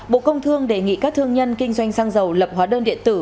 bộ công thương đề nghị các thương nhân kinh doanh xăng dầu lập hóa đơn điện tử